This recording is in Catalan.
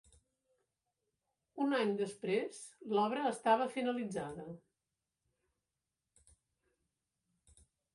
Un any després l'obra estava finalitzada.